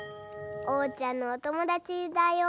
おうちゃんのおともだちだよ。